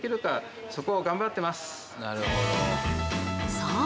そう！